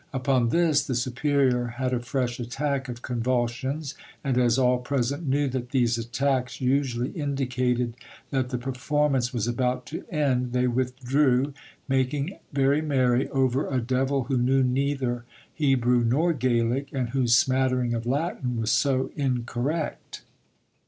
Upon this, the superior had a fresh attack of convulsions, and as all present knew that these attacks usually indicated that the performance was about to end, they withdrew, making very merry over a devil who knew neither Hebrew nor Gaelic, and whose smattering of Latin was so incorrect.